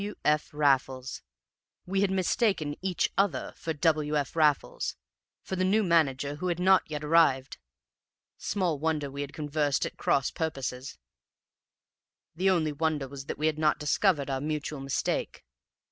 "W. F. Raffles! We had mistaken EACH OTHER for W. F. Raffles for the new manager who had not yet arrived! Small wonder we had conversed at cross purposes; the only wonder was that we had not discovered our mutual mistake.